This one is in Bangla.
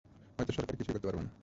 হয়তো সরকার কিছুই করতে পারবে না।